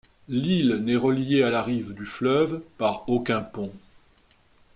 L'île n'est reliée à la rive du fleuve par aucun pont.